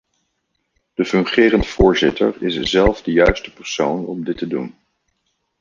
De fungerend voorzitter is zelf de juiste persoon om dit te doen.